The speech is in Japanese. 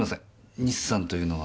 西さんというのは？